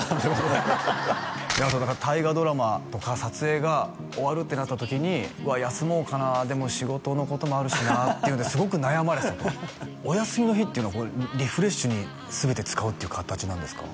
でも大河ドラマとか撮影が終わるってなった時に休もうかなでも仕事のこともあるしなっていうんですごく悩まれてたとお休みの日っていうのはリフレッシュに全て使うっていう形なんですか？